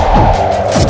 aku sudah menang